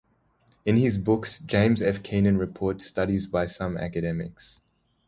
In his book, James F. Keenan reports studies by some academics.